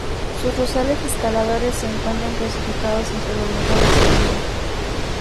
Sus rosales escaladores se encuentran clasificados entre los mejores en el mundo.